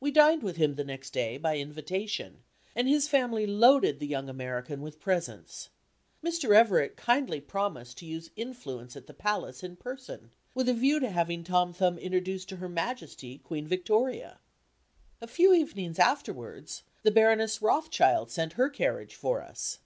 We dined with him the next day, by invitation, and his family loaded the young American with presents. Mr. Everett kindly promised to use influence at the Palace in person, with a view to having Tom Thumb introduced to Her Majesty Queen Victoria. A few evenings afterwards the Baroness Rothschild sent her carriage for us.